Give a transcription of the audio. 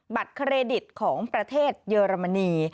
บัตรเครดิตของประเทศเยอรมนี